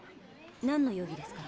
なんの容疑ですか？